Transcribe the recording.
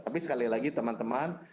tapi sekali lagi teman teman